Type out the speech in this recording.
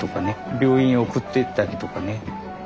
病院へ送っていったりとかね。